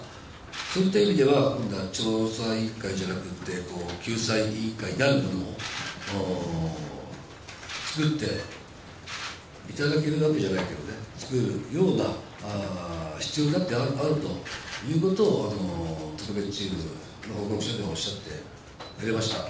そういった意味では、調査委員会じゃなくって、救済委員会なるものを作っていただけるわけじゃないけどね、作るような必要だってあるということを、特別チームの報告書でもおっしゃってくれました。